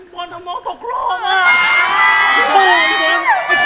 บอลทำน้องสกลอบเมื่อ